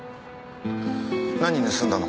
何盗んだの？